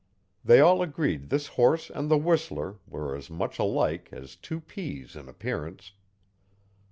They all agreed this horse and the whistler were as much alike as two peas in appearance.